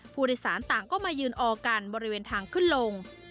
ผู้โดยสารต่างก็มายืนออกกันบริเวณทางขึ้นลง